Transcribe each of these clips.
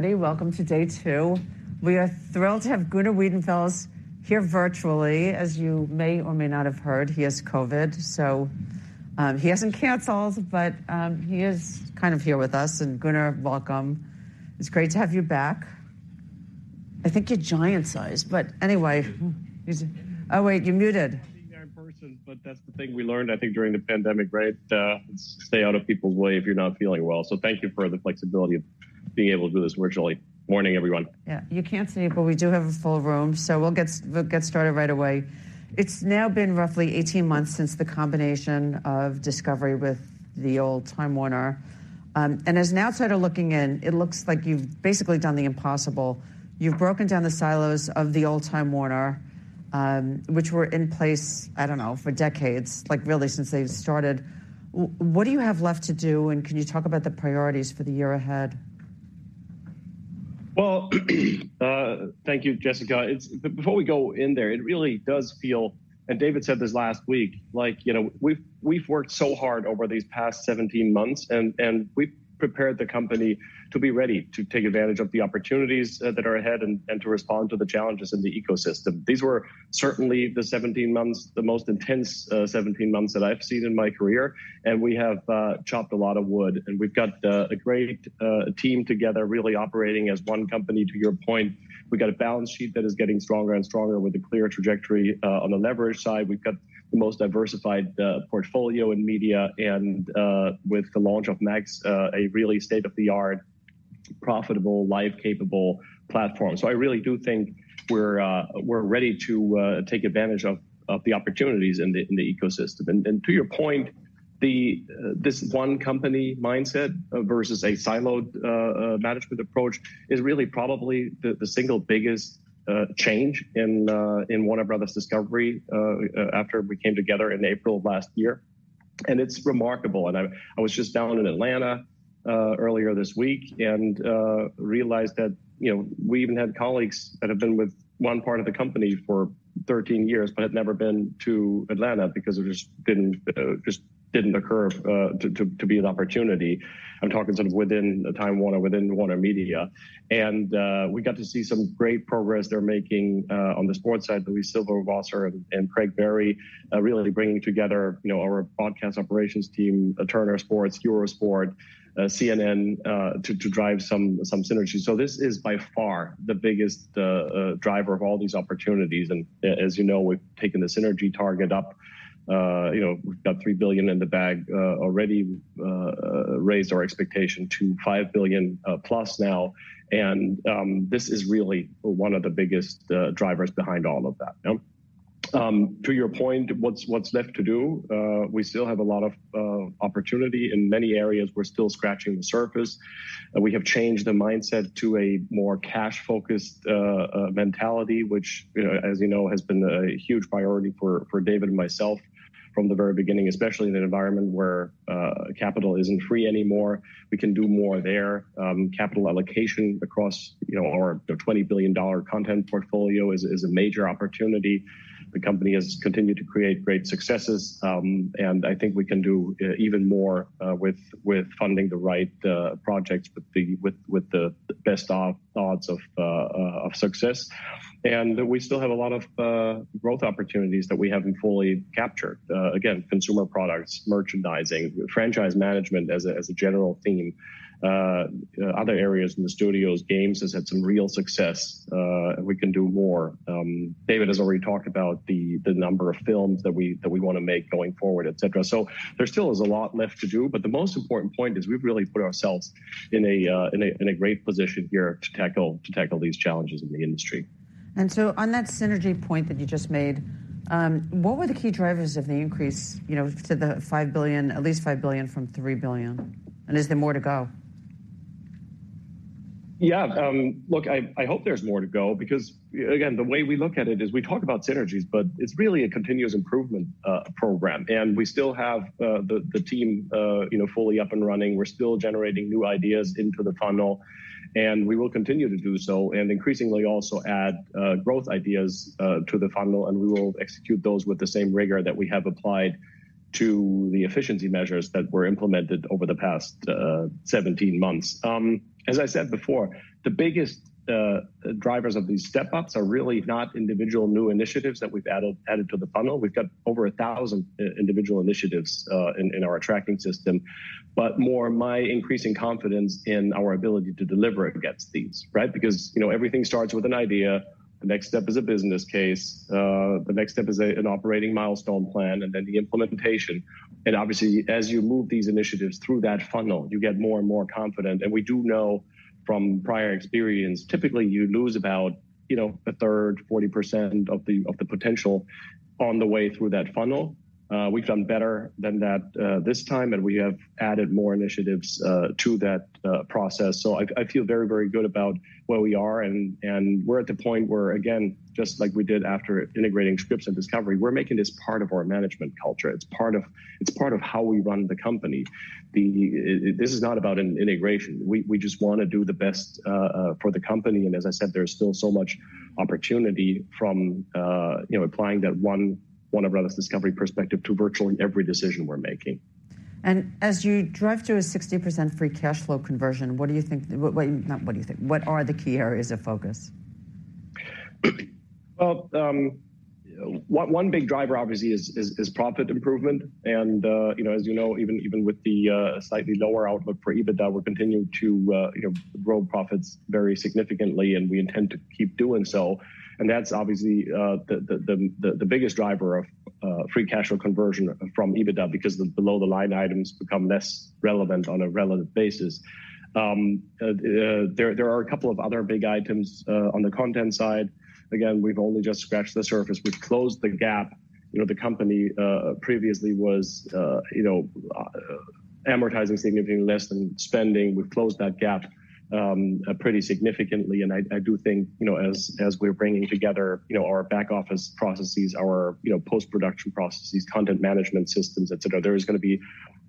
Welcome to day two. We are thrilled to have Gunnar Wiedenfels here virtually. As you may or may not have heard, he has COVID, so he hasn't canceled, but he is kind of here with us, and Gunnar, welcome. It's great to have you back. I think you're giant sized, but anyway, he's- Oh, wait, you're muted. Being there in person, but that's the thing we learned, I think, during the pandemic, right? Stay out of people's way if you're not feeling well. So thank you for the flexibility of being able to do this virtually. Morning, everyone. Yeah, you can't see it, but we do have a full room, so we'll get, we'll get started right away. It's now been roughly 18 months since the combination of Discovery with the old Time Warner. And as an outsider looking in, it looks like you've basically done the impossible. You've broken down the silos of the old Time Warner, which were in place, I don't know, for decades, like, really, since they've started. What do you have left to do, and can you talk about the priorities for the year ahead? Well, thank you, Jessica. But before we go in there, it really does feel, and David said this last week, like, you know, we've worked so hard over these past 17 months, and we've prepared the company to be ready to take advantage of the opportunities that are ahead and to respond to the challenges in the ecosystem. These were certainly the 17 months, the most intense 17 months that I've seen in my career, and we have chopped a lot of wood. And we've got a great team together really operating as one company. To your point, we've got a balance sheet that is getting stronger and stronger with a clear trajectory. On the leverage side, we've got the most diversified portfolio in media and, with the launch of Max, a really state-of-the-art, profitable, live, capable platform. So I really do think we're ready to take advantage of the opportunities in the ecosystem. And to your point, this one company mindset versus a siloed management approach is really probably the single biggest change in Warner Bros. Discovery after we came together in April of last year. And it's remarkable. I was just down in Atlanta earlier this week and realized that, you know, we even had colleagues that have been with one part of the company for 13 years, but had never been to Atlanta because it just didn't occur to be an opportunity. I'm talking sort of within the Time Warner, within WarnerMedia. And we got to see some great progress they're making on the sports side, Luis Silberwasser and Craig Barry really bringing together, you know, our broadcast operations team, Turner Sports, Eurosport, CNN to drive some synergy. So this is by far the biggest driver of all these opportunities, and as you know, we've taken the synergy target up. You know, we've got $3 billion in the bag already, raised our expectation to $5 billion-plus now, and this is really one of the biggest drivers behind all of that. To your point, what's left to do? We still have a lot of opportunity. In many areas, we're still scratching the surface. We have changed the mindset to a more cash-focused mentality, which, you know, as you know, has been a huge priority for David and myself from the very beginning, especially in an environment where capital isn't free anymore. We can do more there. Capital allocation across, you know, our $20 billion content portfolio is a major opportunity. The company has continued to create great successes, and I think we can do even more with funding the right projects with the best odds of success. We still have a lot of growth opportunities that we haven't fully captured. Again, consumer products, merchandising, franchise management as a general theme, other areas in the studios, Games has had some real success. We can do more. David has already talked about the number of films that we wanna make going forward, et cetera. There still is a lot left to do, but the most important point is we've really put ourselves in a great position here to tackle these challenges in the industry. So on that synergy point that you just made, what were the key drivers of the increase, you know, to the $5 billion, at least $5 billion from $3 billion? Is there more to go? Yeah, look, I hope there's more to go because, again, the way we look at it is we talk about synergies, but it's really a continuous improvement program. And we still have the team, you know, fully up and running. We're still generating new ideas into the funnel, and we will continue to do so, and increasingly also add growth ideas to the funnel, and we will execute those with the same rigor that we have applied to the efficiency measures that were implemented over the past 17 months. As I said before, the biggest drivers of these step-ups are really not individual new initiatives that we've added to the funnel. We've got over 1,000 individual initiatives in our tracking system, but more my increasing confidence in our ability to deliver against these, right? Because, you know, everything starts with an idea. The next step is a business case, the next step is an operating milestone plan, and then the implementation. And obviously, as you move these initiatives through that funnel, you get more and more confident, and we do know from prior experience, typically you lose about, you know, a third-40% of the potential on the way through that funnel. We've done better than that, this time, and we have added more initiatives to that process. So I feel very, very good about where we are, and we're at the point where, again, just like we did after integrating Scripps and Discovery, we're making this part of our management culture. It's part of how we run the company. This is not about an integration. We just wanna do the best for the company, and as I said, there's still so much opportunity from, you know, applying that one Warner Bros. Discovery perspective to virtually every decision we're making.... And as you drive to a 60% free cash flow conversion, what are the key areas of focus? Well, one big driver obviously is profit improvement. And, you know, as you know, even with the slightly lower outlook for EBITDA, we're continuing to, you know, grow profits very significantly, and we intend to keep doing so. And that's obviously the biggest driver of free cash flow conversion from EBITDA because the below-the-line items become less relevant on a relative basis. There are a couple of other big items on the content side. Again, we've only just scratched the surface. We've closed the gap. You know, the company previously was, you know, amortizing significantly less than spending. We've closed that gap pretty significantly, and I do think, you know, as we're bringing together, you know, our back office processes, our, you know, post-production processes, content management systems, et cetera, there is gonna be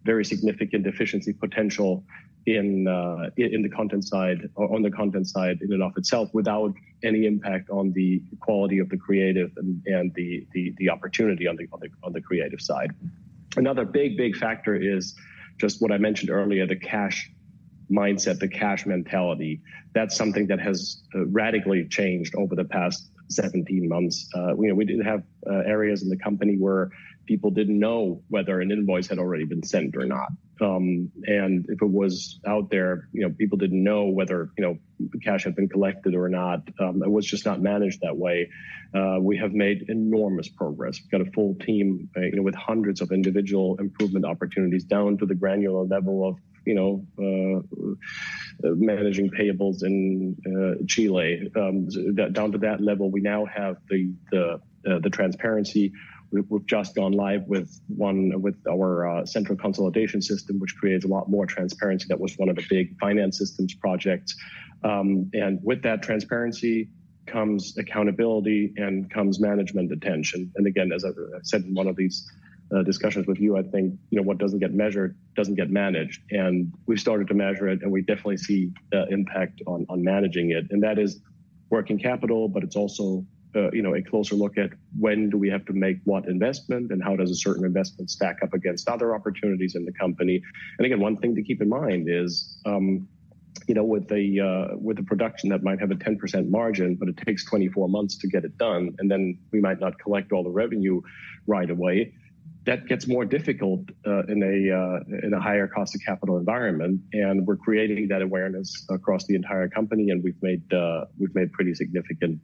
very significant efficiency potential in the content side—on the content side in and of itself, without any impact on the quality of the creative and the opportunity on the creative side. Another big, big factor is just what I mentioned earlier, the cash mindset, the cash mentality. That's something that has radically changed over the past 17 months. You know, we did have areas in the company where people didn't know whether an invoice had already been sent or not. And if it was out there, you know, people didn't know whether, you know, the cash had been collected or not. It was just not managed that way. We have made enormous progress. We've got a full team, you know, with hundreds of individual improvement opportunities, down to the granular level of, you know, managing payables in Chile. Down to that level, we now have the transparency. We've just gone live with our central consolidation system, which creates a lot more transparency. That was one of the big finance systems projects. And with that transparency, comes accountability and comes management attention. And again, as I said in one of these discussions with you, I think, you know, what doesn't get measured, doesn't get managed. We've started to measure it, and we definitely see the impact on managing it. And that is working capital, but it's also, you know, a closer look at when do we have to make what investment, and how does a certain investment stack up against other opportunities in the company? And again, one thing to keep in mind is, you know, with a production that might have a 10% margin, but it takes 24 months to get it done, and then we might not collect all the revenue right away, that gets more difficult in a higher cost of capital environment. And we're creating that awareness across the entire company, and we've made pretty significant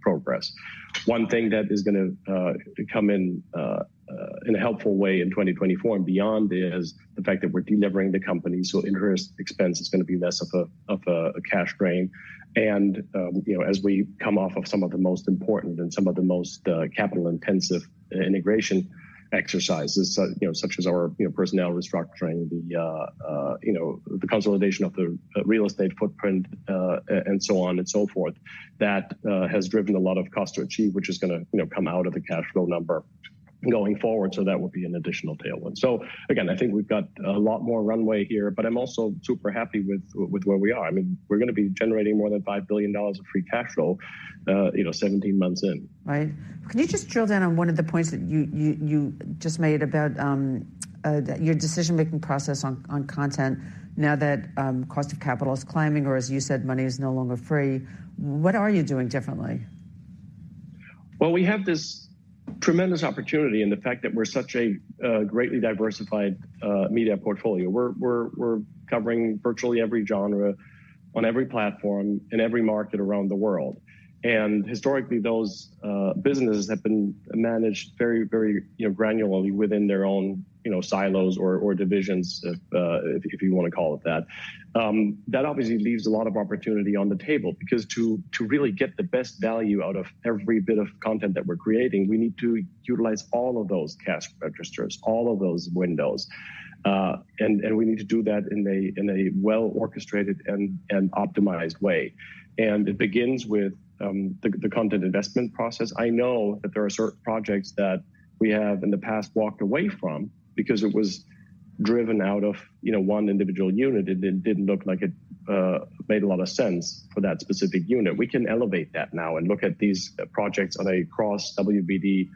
progress. One thing that is gonna come in a helpful way in 2024 and beyond is the fact that we're delevering the company, so interest expense is gonna be less of a cash drain. And you know, as we come off of some of the most important and some of the most capital-intensive integration exercises, you know, such as our personnel restructuring, the consolidation of the real estate footprint, and so on and so forth, that has driven a lot of cost to achieve, which is gonna come out of the cash flow number going forward. So that will be an additional tailwind. So again, I think we've got a lot more runway here, but I'm also super happy with where we are. I mean, we're gonna be generating more than $5 billion of free cash flow, you know, 17 months in. Right. Can you just drill down on one of the points that you just made about your decision-making process on content now that cost of capital is climbing, or as you said, money is no longer free, what are you doing differently? Well, we have this tremendous opportunity in the fact that we're such a greatly diversified media portfolio. We're covering virtually every genre on every platform in every market around the world. And historically, those businesses have been managed very, very, you know, granularly within their own, you know, silos or divisions, if you wanna call it that. That obviously leaves a lot of opportunity on the table, because to really get the best value out of every bit of content that we're creating, we need to utilize all of those cash registers, all of those windows. And we need to do that in a well-orchestrated and optimized way. And it begins with the content investment process. I know that there are certain projects that we have, in the past, walked away from because it was driven out of, you know, one individual unit, and it didn't look like it made a lot of sense for that specific unit. We can elevate that now and look at these projects on a cross-WBD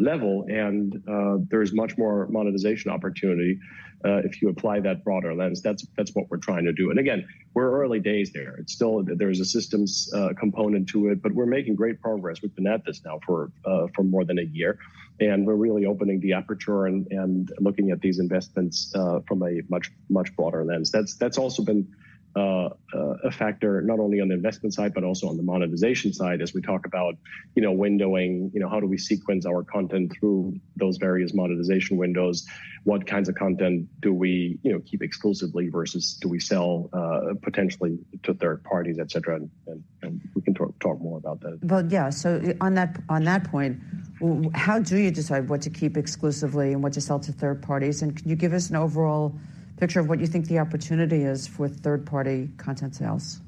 level, and there is much more monetization opportunity if you apply that broader lens. That's what we're trying to do. And again, we're early days there. It's still... There's a systems component to it, but we're making great progress. We've been at this now for more than a year, and we're really opening the aperture and looking at these investments from a much broader lens. That's, that's also been a factor, not only on the investment side, but also on the monetization side, as we talk about, you know, windowing, you know, how do we sequence our content through those various monetization windows? What kinds of content do we, you know, keep exclusively versus do we sell potentially to third parties, et cetera? And we can talk more about that. Well, yeah. So on that, on that point, how do you decide what to keep exclusively and what to sell to third parties? And can you give us an overall picture of what you think the opportunity is for third-party content sales?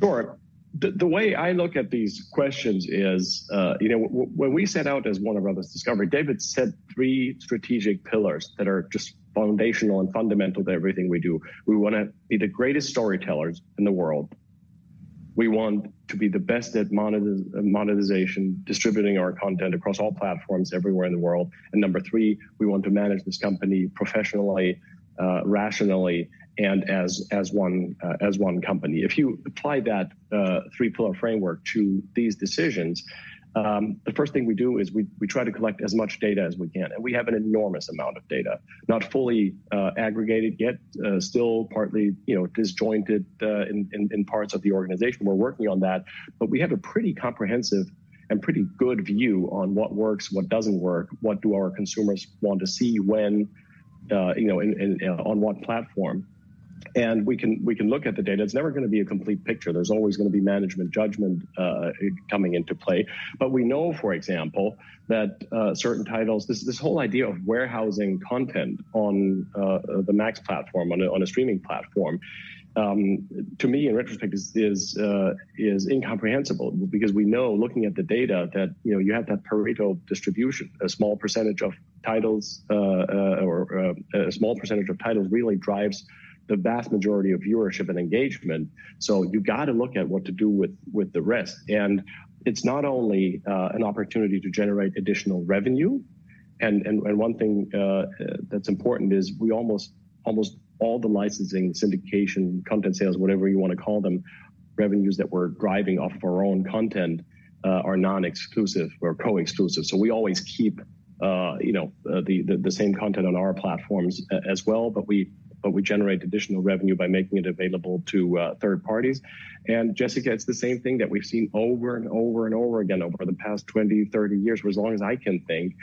Sure. The way I look at these questions is, you know, when we set out as Warner Bros. Discovery, David set three strategic pillars that are just foundational and fundamental to everything we do. We wanna be the greatest storytellers in the world... We want to be the best at monetization, distributing our content across all platforms everywhere in the world. And number three, we want to manage this company professionally, rationally, and as one company. If you apply that three-pillar framework to these decisions, the first thing we do is we try to collect as much data as we can, and we have an enormous amount of data. Not fully aggregated yet, still partly, you know, disjointed, in parts of the organization. We're working on that. But we have a pretty comprehensive and pretty good view on what works, what doesn't work, what do our consumers want to see when, you know, and on what platform. And we can look at the data. It's never gonna be a complete picture. There's always gonna be management judgment coming into play. But we know, for example, that certain titles... This whole idea of warehousing content on the Max platform, on a streaming platform, to me, in retrospect, is incomprehensible because we know, looking at the data, that you know, you have that Pareto distribution. A small percentage of titles really drives the vast majority of viewership and engagement. So you've got to look at what to do with the rest. And it's not only an opportunity to generate additional revenue, and one thing that's important is we almost all the licensing, syndication, content sales, whatever you want to call them, revenues that we're driving off of our own content are non-exclusive or co-exclusive. So we always keep, you know, the same content on our platforms as well, but we generate additional revenue by making it available to third parties. And Jessica, it's the same thing that we've seen over and over again over the past 20, 30 years, for as long as I can think.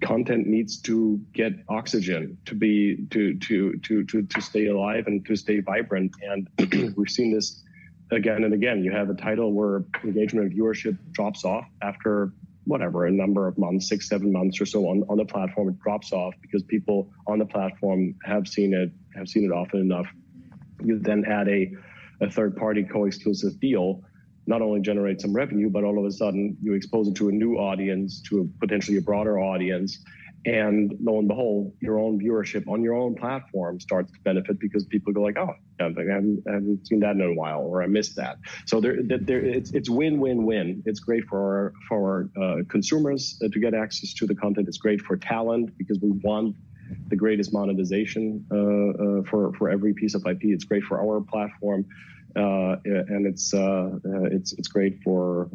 Content needs to get oxygen to stay alive and to stay vibrant. And we've seen this again and again. You have a title where engagement and viewership drops off after, whatever, a number of months, six, seven months or so on, on the platform. It drops off because people on the platform have seen it, have seen it often enough. You then add a third-party co-exclusive deal, not only generates some revenue, but all of a sudden, you expose it to a new audience, to a potentially broader audience. And lo and behold, your own viewership on your own platform starts to benefit because people go like, "Oh!" And like, "I haven't, I haven't seen that in a while," or, "I missed that." So there, it's win, win, win. It's great for our consumers to get access to the content. It's great for talent because we want the greatest monetization for every piece of IP. It's great for our platform, and it's great for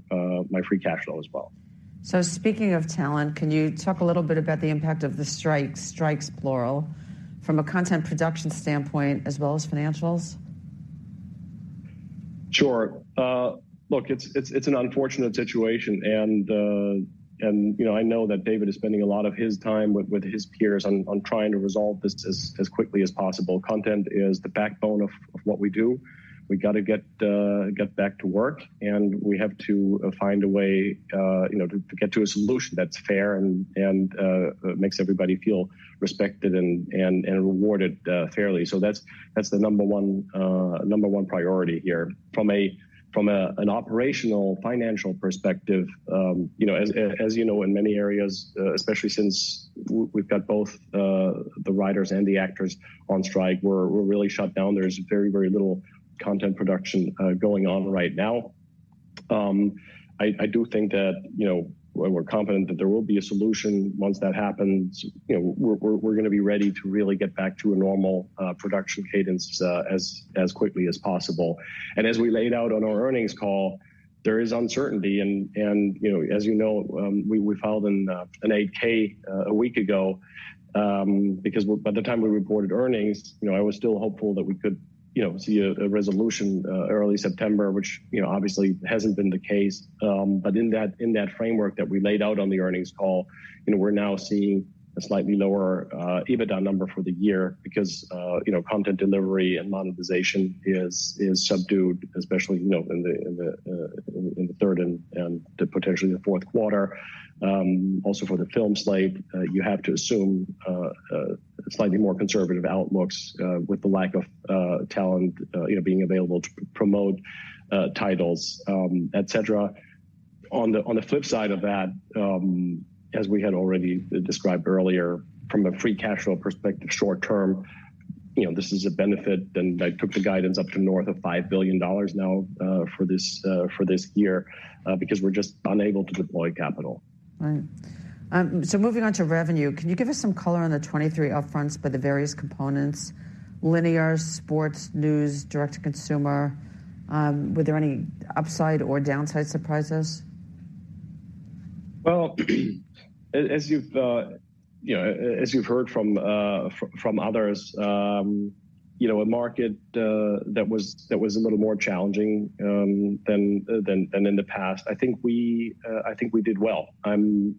my free cash flow as well. Speaking of talent, can you talk a little bit about the impact of the strike, strikes, plural, from a content production standpoint as well as financials? Sure. Look, it's an unfortunate situation, and, you know, I know that David is spending a lot of his time with his peers on trying to resolve this as quickly as possible. Content is the backbone of what we do. We got to get back to work, and we have to find a way, you know, to get to a solution that's fair and makes everybody feel respected and rewarded fairly. So that's the number one priority here. From an operational financial perspective, you know, as you know, in many areas, especially since we've got both the writers and the actors on strike, we're really shut down. There's very little content production going on right now. I do think that, you know, we're gonna be ready to really get back to a normal production cadence as quickly as possible. And as we laid out on our earnings call, there is uncertainty. And, you know, we filed an 8-K a week ago, because by the time we reported earnings, you know, I was still hopeful that we could, you know, see a resolution early September, which, you know, obviously hasn't been the case. But in that, in that framework that we laid out on the earnings call, you know, we're now seeing a slightly lower EBITDA number for the year because, you know, content delivery and monetization is subdued, especially, you know, in the third and potentially the fourth quarter. Also for the film slate, you have to assume a slightly more conservative outlooks, with the lack of talent, you know, being available to promote titles, et cetera. On the flip side of that, as we had already described earlier, from a free cash flow perspective, short term, you know, this is a benefit, and I took the guidance up to north of $5 billion now, for this year, because we're just unable to deploy capital. Right. So moving on to revenue, can you give us some color on the 23 Upfronts by the various components: linear, sports, news, direct to consumer? Were there any upside or downside surprises? Well, as you've, you know, as you've heard from others, you know, a market that was a little more challenging than in the past, I think we did well. I'm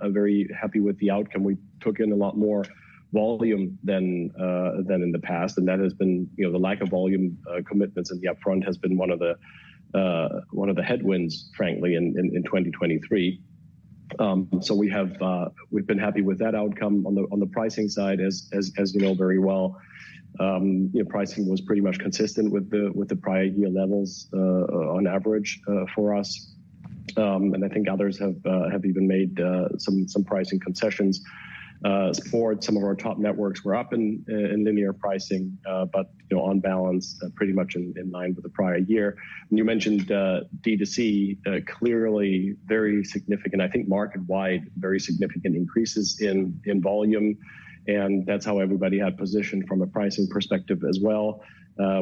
very happy with the outcome. We took in a lot more volume than in the past, and that has been, you know, the lack of volume commitments in the Upfront has been one of the headwinds, frankly, in 2023. So we've been happy with that outcome. On the pricing side, as you know very well, you know, pricing was pretty much consistent with the prior year levels, on average, for us. And I think others have even made some pricing concessions. Some of our top networks were up in linear pricing, but you know, on balance, pretty much in line with the prior year. And you mentioned D2C, clearly very significant, I think market-wide, very significant increases in volume, and that's how everybody had positioned from a pricing perspective as well.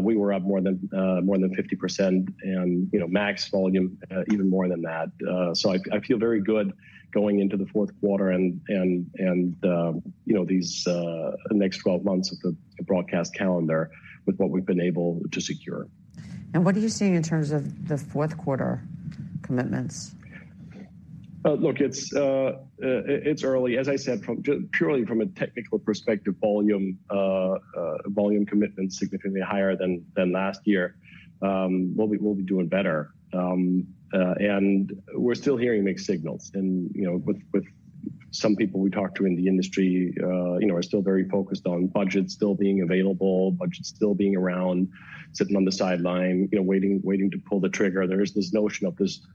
We were up more than 50% and, you know, Max volume even more than that. So I feel very good going into the fourth quarter and, you know, these next 12 months of the broadcast calendar with what we've been able to secure. What are you seeing in terms of the fourth quarter commitments? Look, it's early. As I said, purely from a technical perspective, volume commitment is significantly higher than last year. We'll be doing better. And we're still hearing mixed signals. And, you know, with some people we talked to in the industry, you know, are still very focused on budgets still being available, budgets still being around, sitting on the sideline, you know, waiting to pull the trigger. There's this notion of this,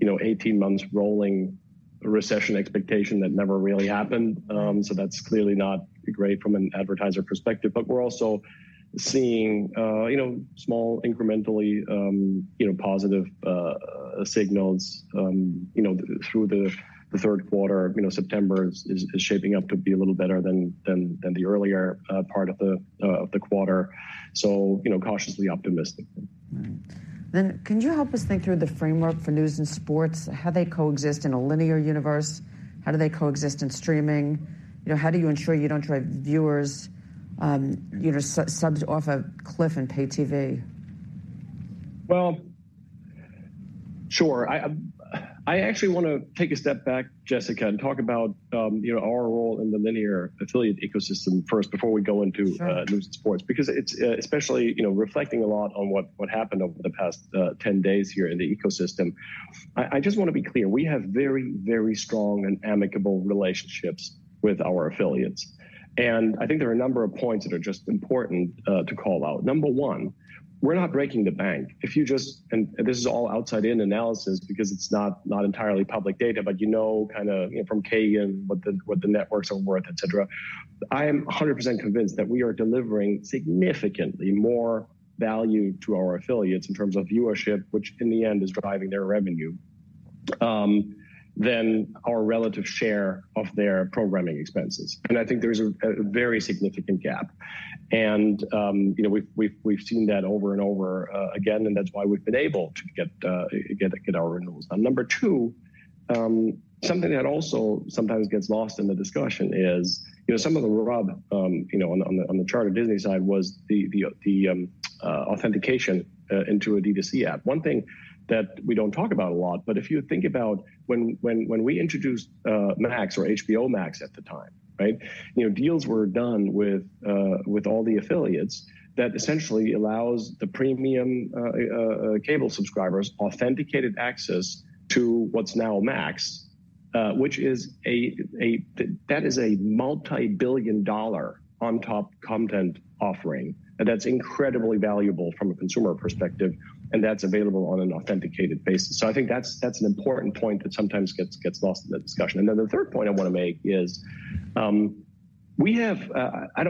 you know, 18 months rolling recession expectation that never really happened. So that's clearly not great from an advertiser perspective. But we're also seeing, you know, small, incrementally, you know, positive signals, you know, through the third quarter. You know, September is shaping up to be a little better than the earlier part of the quarter. So, you know, cautiously optimistic. Right. Then can you help us think through the framework for news and sports? How they coexist in a linear universe? How do they coexist in streaming? You know, how do you ensure you don't drive viewers, you know, subs off a cliff in pay TV? Well, sure. I actually wanna take a step back, Jessica, and talk about, you know, our role in the linear affiliate ecosystem first before we go into- Sure... news and sports, because it's especially, you know, reflecting a lot on what happened over the past 10 days here in the ecosystem. I just want to be clear, we have very, very strong and amicable relationships with our affiliates, and I think there are a number of points that are just important to call out. Number one, we're not breaking the bank. And this is all outside-in analysis because it's not entirely public data, but you know, kinda, you know, from Kagan, what the networks are worth, et cetera. I am 100% convinced that we are delivering significantly more value to our affiliates in terms of viewership, which, in the end, is driving their revenue, than our relative share of their programming expenses. And I think there's a very significant gap. And, you know, we've seen that over and over, again, and that's why we've been able to get our renewals. Now, number two, something that also sometimes gets lost in the discussion is, you know, some of the rub, you know, on the Charter Disney side was the authentication into a D2C app. One thing that we don't talk about a lot, but if you think about when we introduced Max or HBO Max at the time, right? You know, deals were done with all the affiliates that essentially allows the premium cable subscribers authenticated access to what's now Max, which is a multi-billion dollar on-top content offering, and that's incredibly valuable from a consumer perspective, and that's available on an authenticated basis. So I think that's an important point that sometimes gets lost in the discussion. And then the third point I want to make is, I don't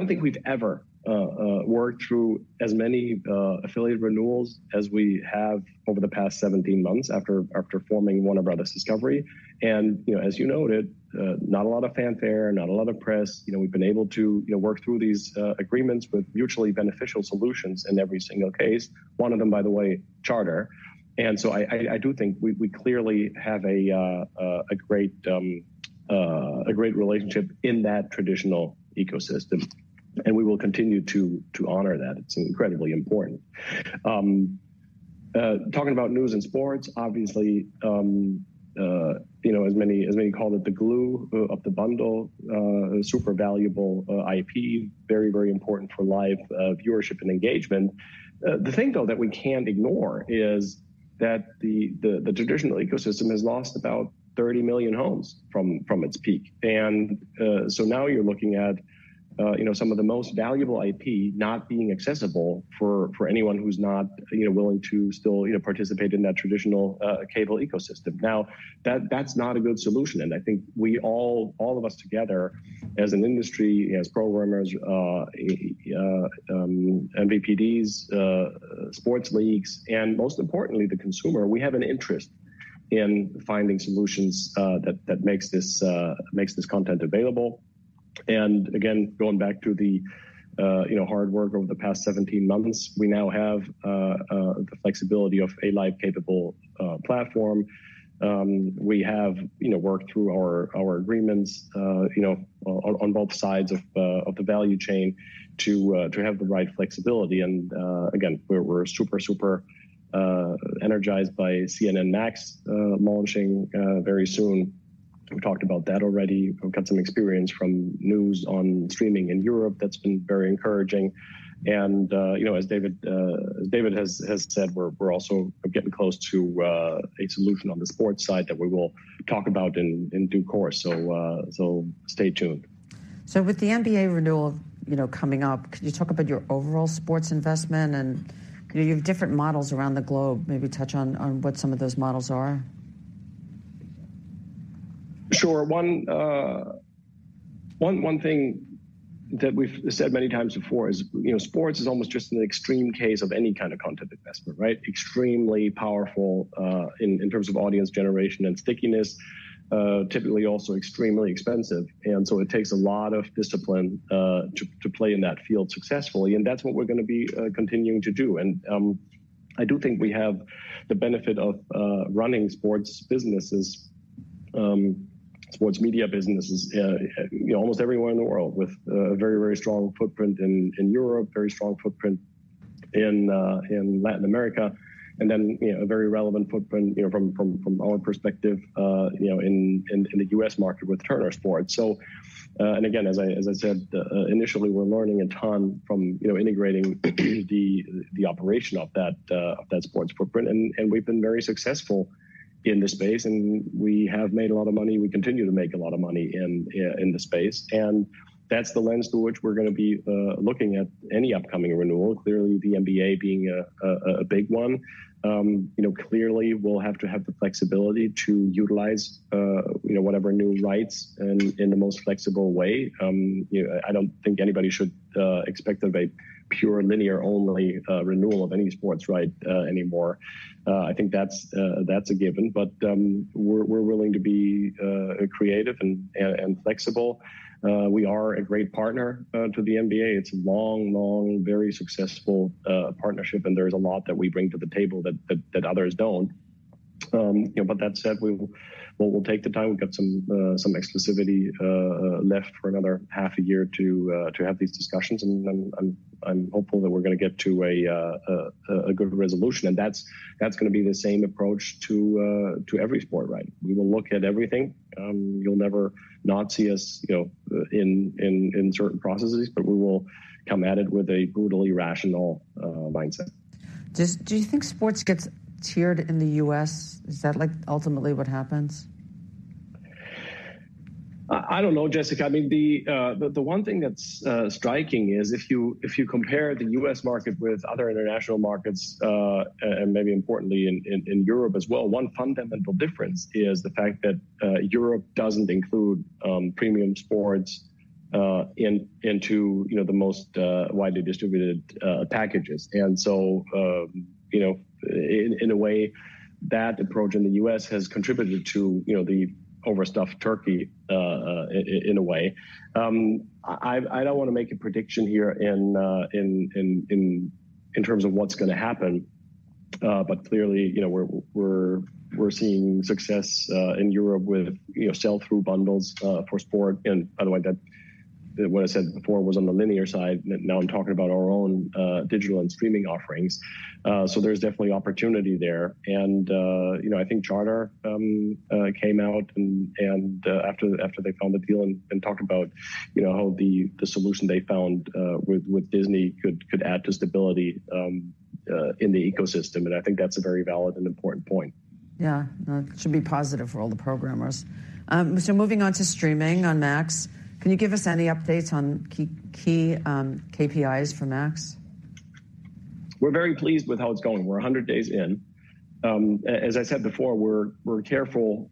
think we've ever worked through as many affiliate renewals as we have over the past 17 months after forming Warner Bros. Discovery. And, you know, as you noted, not a lot of fanfare, not a lot of press. You know, we've been able to, you know, work through these agreements with mutually beneficial solutions in every single case. One of them, by the way, Charter. And so I do think we clearly have a great relationship in that traditional ecosystem, and we will continue to honor that. It's incredibly important. Talking about news and sports, obviously, you know, as many call it, the glue of the bundle, a super valuable IP, very, very important for live viewership and engagement. The thing, though, that we can't ignore is that the traditional ecosystem has lost about 30 million homes from its peak. And so now you're looking at, you know, some of the most valuable IP not being accessible for anyone who's not, you know, willing to still, you know, participate in that traditional cable ecosystem. Now, that, that's not a good solution, and I think we all, all of us together, as an industry, as programmers, MVPDs, sports leagues, and most importantly, the consumer, we have an interest in finding solutions that makes this content available. And again, going back to the, you know, hard work over the past 17 months, we now have the flexibility of a live capable platform. We have, you know, worked through our agreements, you know, on both sides of the value chain to have the right flexibility. And again, we're super, super energized by CNN Max launching very soon. We've talked about that already. We've got some experience from news on streaming in Europe that's been very encouraging. You know, as David has said, we're also getting close to a solution on the sports side that we will talk about in due course. So, stay tuned.... So with the NBA renewal, you know, coming up, could you talk about your overall sports investment and, you know, you have different models around the globe. Maybe touch on what some of those models are? Sure. One thing that we've said many times before is, you know, sports is almost just an extreme case of any kind of content investment, right? Extremely powerful in terms of audience generation and stickiness. Typically also extremely expensive. And so it takes a lot of discipline to play in that field successfully, and that's what we're gonna be continuing to do. And I do think we have the benefit of running sports businesses, sports media businesses, you know, almost everywhere in the world, with a very strong footprint in Europe, very strong footprint in Latin America, and then, you know, a very relevant footprint, you know, from our perspective, you know, in the U.S. market with Turner Sports. So, and again, as I, as I said, initially, we're learning a ton from, you know, integrating the operation of that sports footprint. And we've been very successful in this space, and we have made a lot of money. We continue to make a lot of money in the space, and that's the lens through which we're gonna be looking at any upcoming renewal. Clearly, the NBA being a big one. You know, clearly we'll have to have the flexibility to utilize, you know, whatever new rights in the most flexible way. You know, I don't think anybody should expect a very pure, linear-only renewal of any sports right anymore. I think that's a given, but we're willing to be creative and flexible. We are a great partner to the NBA. It's a long, long, very successful partnership, and there's a lot that we bring to the table that others don't. You know, but that said, we will, we'll take the time. We've got some exclusivity left for another half a year to have these discussions, and then I'm hopeful that we're gonna get to a good resolution. And that's gonna be the same approach to every sport right. We will look at everything. You'll never not see us, you know, in certain processes, but we will come at it with a brutally rational mindset. Do you think sports gets tiered in the U.S.? Is that, like, ultimately what happens? I don't know, Jessica. I mean, the one thing that's striking is if you compare the U.S. market with other international markets, and maybe importantly in Europe as well, one fundamental difference is the fact that Europe doesn't include premium sports into you know the most widely distributed packages. And so, you know, in a way, that approach in the U.S. has contributed to you know the overstuffed turkey in a way. I don't wanna make a prediction here in terms of what's gonna happen, but clearly, you know, we're seeing success in Europe with you know sell-through bundles for sport. And by the way, that what I said before was on the linear side. Now I'm talking about our own digital and streaming offerings. So there's definitely opportunity there. And you know, I think Charter came out and after they signed the deal and talked about, you know, how the solution they found with Disney could add to stability in the ecosystem. And I think that's a very valid and important point. Yeah. It should be positive for all the programmers. So moving on to streaming on Max, can you give us any updates on key KPIs for Max? We're very pleased with how it's going. We're 100 days in. As I said before, we're careful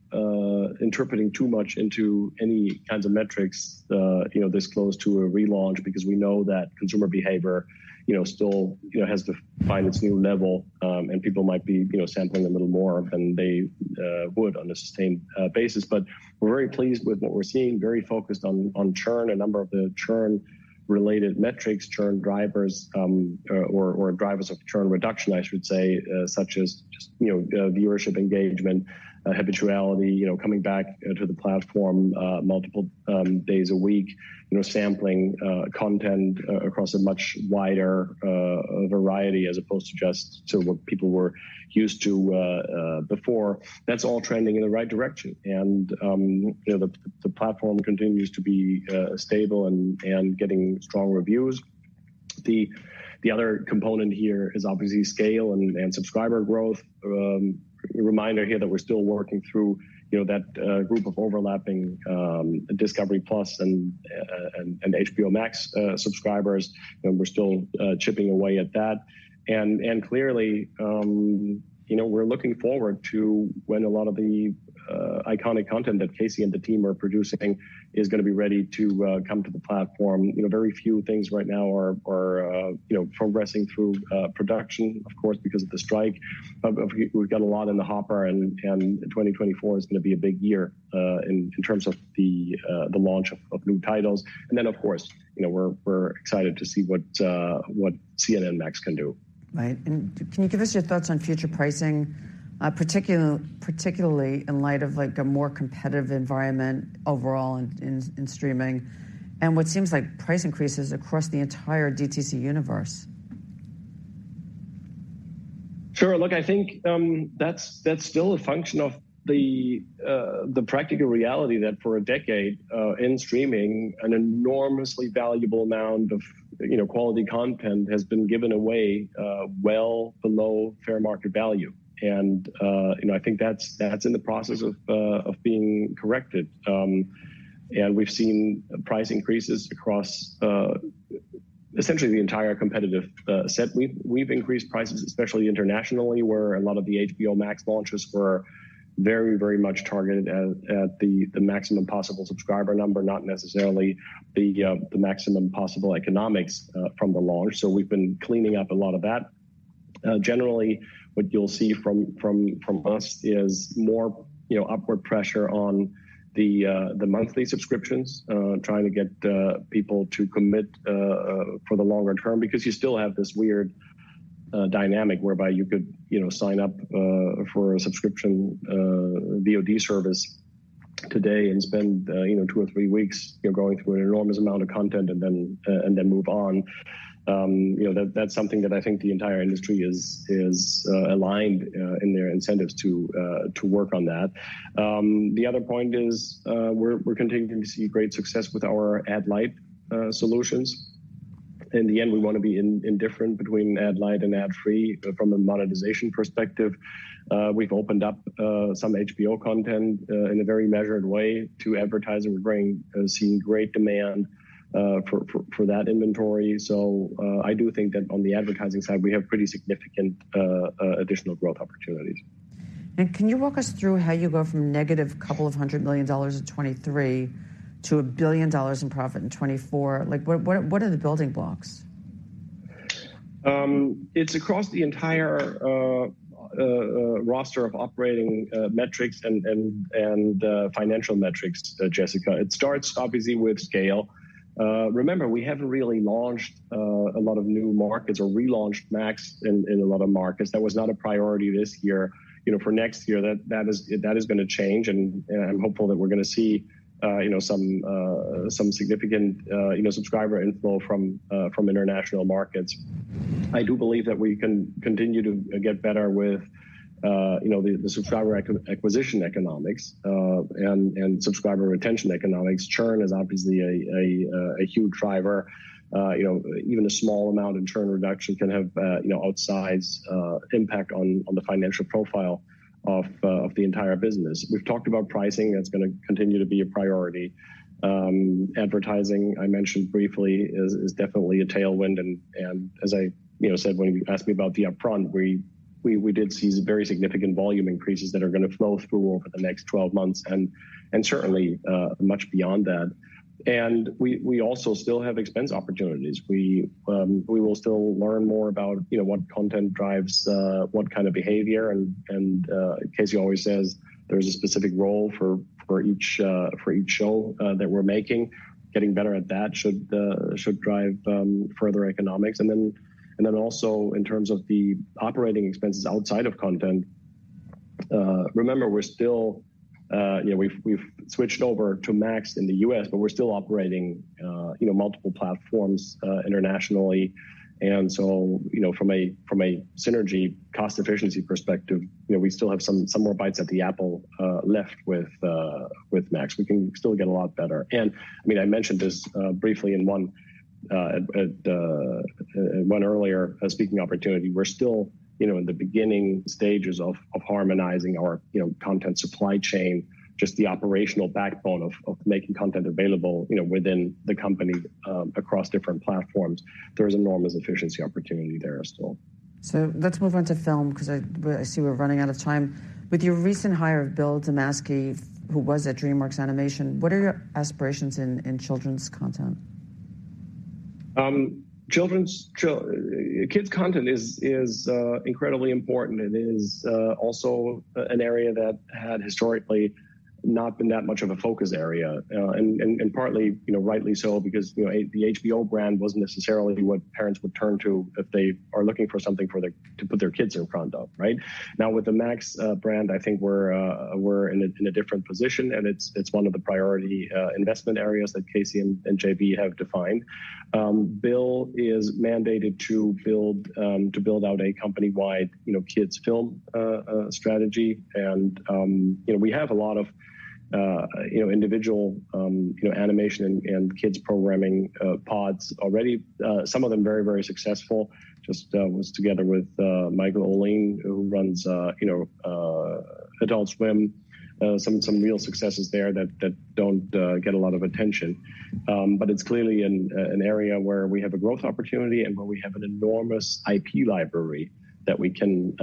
interpreting too much into any kinds of metrics, you know, this close to a relaunch because we know that consumer behavior, you know, still, you know, has to find its new level. And people might be, you know, sampling a little more than they would on a sustained basis. But we're very pleased with what we're seeing, very focused on churn, a number of the churn-related metrics, churn drivers, or drivers of churn reduction, I should say, such as just, you know, viewership engagement, habituality, you know, coming back to the platform multiple days a week, you know, sampling content across a much wider variety, as opposed to just to what people were used to before. That's all trending in the right direction. And, you know, the platform continues to be stable and getting strong reviews. The other component here is obviously scale and subscriber growth. A reminder here that we're still working through, you know, that group of overlapping Discovery+ and HBO Max subscribers, and we're still chipping away at that. And clearly, you know, we're looking forward to when a lot of the iconic content that Casey and the team are producing is gonna be ready to come to the platform. You know, very few things right now are progressing through production, of course, because of the strike. But we've got a lot in the hopper, and 2024 is gonna be a big year in terms of the launch of new titles. And then, of course, you know, we're excited to see what CNN Max can do. Right. Can you give us your thoughts on future pricing, particularly in light of, like, a more competitive environment overall in streaming, and what seems like price increases across the entire DTC universe? Sure. Look, I think, that's, that's still a function of the, the practical reality that for a decade, in streaming, an enormously valuable amount of, you know, quality content has been given away, well below fair market value. And, you know, I think that's, that's in the process of, of being corrected. And we've seen price increases across, essentially the entire competitive, set. We've increased prices, especially internationally, where a lot of the HBO Max launches were very, very much targeted at, at the, the maximum possible subscriber number, not necessarily the, the maximum possible economics, from the launch. So we've been cleaning up a lot of that. Generally, what you'll see from us is more, you know, upward pressure on the monthly subscriptions, trying to get the people to commit for the longer term. Because you still have this weird dynamic whereby you could, you know, sign up for a subscription VOD service today and spend, you know, two or three weeks going through an enormous amount of content and then move on. You know, that's something that I think the entire industry is aligned in their incentives to work on that. The other point is, we're continuing to see great success with our Ad-Lite solutions. In the end, we wanna be indifferent between Ad-Lite and Ad-Free from a monetization perspective. We've opened up some HBO content in a very measured way to advertise and we're seeing great demand for that inventory. So, I do think that on the advertising side, we have pretty significant additional growth opportunities. Can you walk us through how you go from -$200 million in 2023 to $1 billion in profit in 2024? Like, what are the building blocks? It's across the entire roster of operating metrics and financial metrics, Jessica. It starts, obviously, with scale. Remember, we haven't really launched a lot of new markets or relaunched Max in a lot of markets. That was not a priority this year. You know, for next year, that is gonna change, and I'm hopeful that we're gonna see some significant subscriber inflow from international markets. I do believe that we can continue to get better with the subscriber acquisition economics and subscriber retention economics. Churn is obviously a huge driver. You know, even a small amount in churn reduction can have you know, outsized impact on the financial profile of the entire business. We've talked about pricing, that's gonna continue to be a priority. Advertising, I mentioned briefly, is definitely a tailwind, and as I you know, said when you asked me about the Upfront, we did see very significant volume increases that are gonna flow through over the next 12 months and certainly much beyond that. And we also still have expense opportunities. We will still learn more about you know, what content drives what kind of behavior. And Casey always says there's a specific role for each show that we're making. Getting better at that should drive further economics. And then also in terms of the operating expenses outside of content, remember, we're still, you know, we've switched over to Max in the U.S., but we're still operating, you know, multiple platforms internationally. And so, you know, from a synergy cost efficiency perspective, you know, we still have some more bites at the apple left with Max. We can still get a lot better. And, I mean, I mentioned this briefly in one earlier speaking opportunity. We're still, you know, in the beginning stages of harmonizing our content supply chain, just the operational backbone of making content available, you know, within the company, across different platforms. There's enormous efficiency opportunity there still. Let's move on to film, 'cause I, well, I see we're running out of time. With your recent hire of Bill Damaschke, who was at DreamWorks Animation, what are your aspirations in children's content? Children's kids' content is incredibly important. It is also an area that had historically not been that much of a focus area. Partly, you know, rightly so, because, you know, HBO, the HBO brand wasn't necessarily what parents would turn to if they are looking for something to put their kids in front of, right? Now, with the Max brand, I think we're in a different position, and it's one of the priority investment areas that Casey and JB have defined. Bill is mandated to build out a company-wide, you know, kids' film strategy. And, you know, we have a lot of, you know, individual, you know, animation and kids' programming pods already. Some of them very, very successful. Just was together with Michael Ouweleen, who runs, you know, Adult Swim. Some real successes there that don't get a lot of attention. But it's clearly an area where we have a growth opportunity and where we have an enormous IP library that we can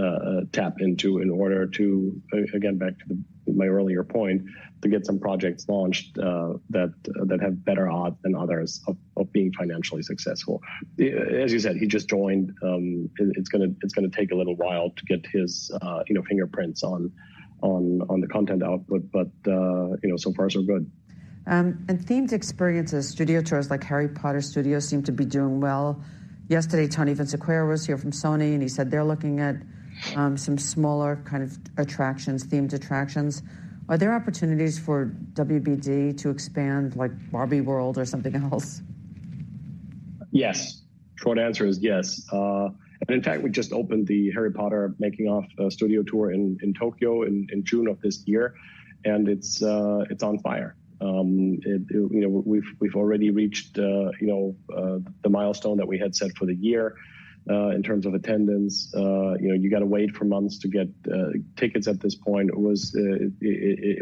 tap into in order to... Again, back to my earlier point, to get some projects launched that have better odds than others of being financially successful. As you said, he just joined. It's gonna take a little while to get his, you know, fingerprints on the content output, but, you know, so far, so good. Themed experiences, studio tours, like Harry Potter Studio, seem to be doing well. Yesterday, Tony Vinciquerra was here from Sony, and he said they're looking at some smaller kind of attractions, themed attractions. Are there opportunities for WBD to expand, like, Barbie World or something else?... Yes, short answer is yes. And in fact, we just opened the The Making of Harry Potter Studio Tour in Tokyo in June of this year, and it's on fire. You know, we've already reached you know the milestone that we had set for the year in terms of attendance. You know, you gotta wait for months to get tickets at this point. It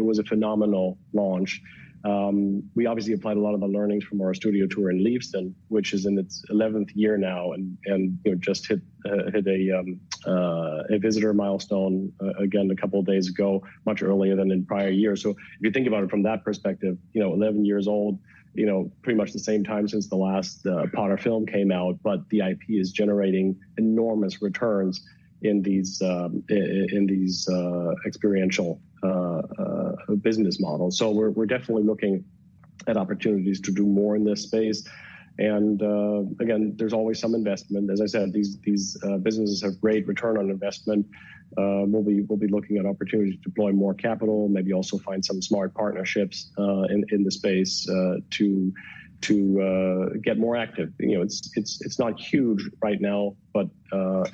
was a phenomenal launch. We obviously applied a lot of the learnings from our studio tour in Leavesden, which is in its eleventh year now and, you know, just hit a visitor milestone again a couple of days ago, much earlier than in prior years. So if you think about it from that perspective, you know, 11 years old, you know, pretty much the same time since the last Potter film came out, but the IP is generating enormous returns in these experiential business models. So we're definitely looking at opportunities to do more in this space. And again, there's always some investment. As I said, these businesses have great return on investment. We'll be looking at opportunities to deploy more capital, maybe also find some smart partnerships, in the space, to get more active. You know, it's not huge right now, but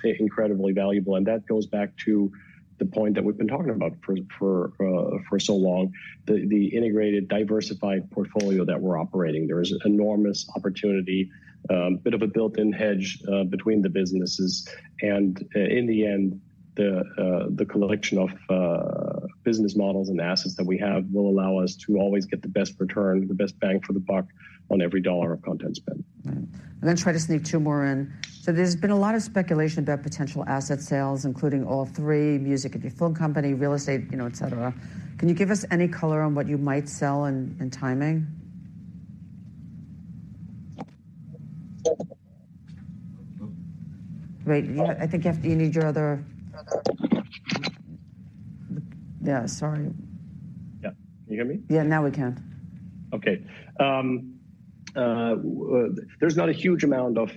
incredibly valuable. And that goes back to the point that we've been talking about for so long. The integrated, diversified portfolio that we're operating. There is enormous opportunity, bit of a built-in hedge, between the businesses. In the end, the collection of business models and assets that we have will allow us to always get the best return, the best bang for the buck on every dollar of content spent. I'm gonna try to sneak two more in. So there's been a lot of speculation about potential asset sales, including All3Media, music and your film company, real estate, you know, et cetera. Can you give us any color on what you might sell and, and timing? Wait, yeah, I think you have... You need your other- Yeah, sorry. Yeah. Can you hear me? Yeah, now we can. Okay. There's not a huge amount of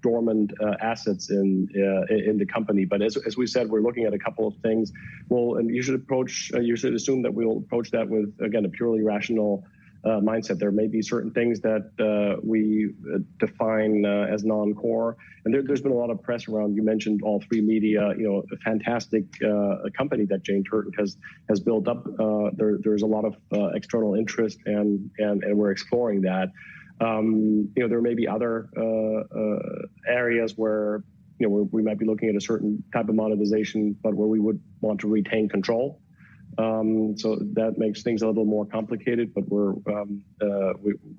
dormant assets in the company. But as we said, we're looking at a couple of things. We'll usually approach, you should assume that we'll approach that with, again, a purely rational mindset. There may be certain things that we define as non-core. And there's been a lot of press around, you mentioned All3Media, you know, a fantastic company that Jane Turton has built up. There's a lot of external interest, and we're exploring that. You know, there may be other areas where, you know, we might be looking at a certain type of monetization, but where we would want to retain control. So that makes things a little more complicated, but we're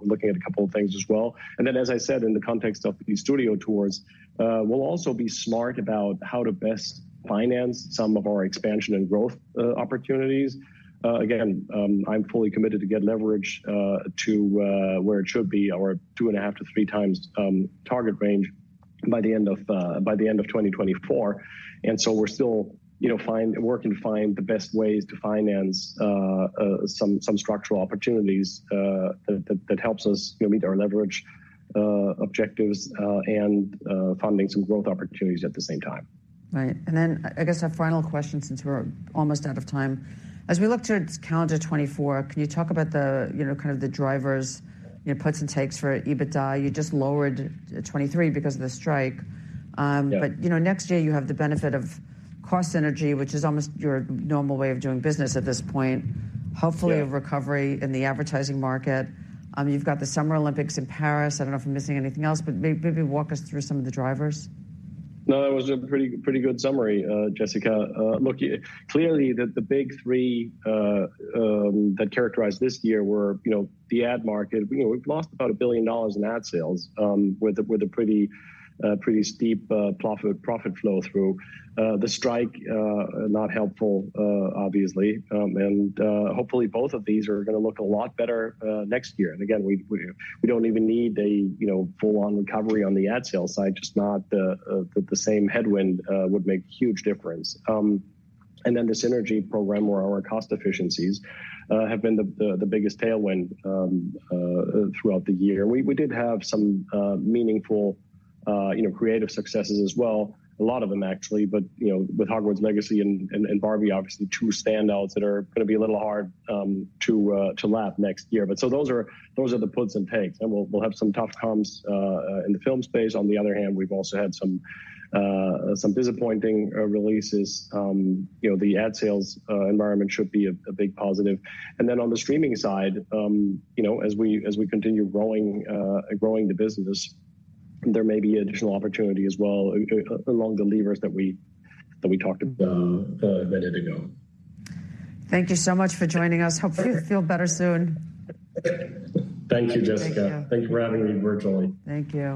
looking at a couple of things as well. And then, as I said, in the context of the studio tours, we'll also be smart about how to best finance some of our expansion and growth opportunities. Again, I'm fully committed to get leverage to where it should be, our 2.5x-3x target range by the end of 2024. And so we're still, you know, working to find the best ways to finance some structural opportunities that helps us, you know, meet our leverage objectives and funding some growth opportunities at the same time. Right. And then I guess our final question, since we're almost out of time. As we look to calendar 2024, can you talk about the, you know, kind of the drivers, you know, puts and takes for EBITDA? You just lowered 2023 because of the strike. Yeah... but you know, next year you have the benefit of cost synergy, which is almost your normal way of doing business at this point. Yeah. Hopefully, a recovery in the advertising market. You've got the Summer Olympics in Paris. I don't know if I'm missing anything else, but maybe walk us through some of the drivers. No, that was a pretty, pretty good summary, Jessica. Look, clearly the big three that characterized this year were, you know, the ad market. You know, we've lost about $1 billion in ad sales, with a pretty steep profit flow through. The strike, not helpful, obviously. And hopefully, both of these are gonna look a lot better next year. And again, we don't even need a full-on recovery on the ad sales side, just not the same headwind would make huge difference. And then the synergy program, where our cost efficiencies have been the biggest tailwind throughout the year. We did have some meaningful creative successes as well. A lot of them actually, but, you know, with Hogwarts Legacy and Barbie, obviously two standouts that are gonna be a little hard to lap next year. But so those are the puts and takes, and we'll have some tough comms in the film space. On the other hand, we've also had some disappointing releases. You know, the ad sales environment should be a big positive. And then on the streaming side, you know, as we continue growing the business, there may be additional opportunity as well, along the levers that we talked about a minute ago. Thank you so much for joining us. Okay. Hope you feel better soon. Thank you, Jessica. Thank you. Thank you for having me virtually. Thank you.